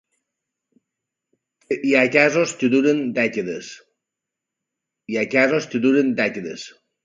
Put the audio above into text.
Hi ha casos que duren dècades.